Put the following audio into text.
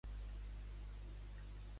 Referent a què, sens dubte?